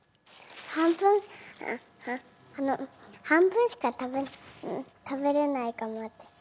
半分しか食べ食べれないかも私。